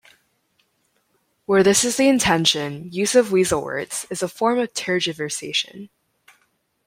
Where this is the intention, use of weasel words is a form of tergiversation.